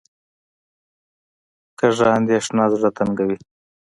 کوږه اندېښنه زړه تنګوي